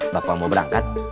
bapak mau berangkat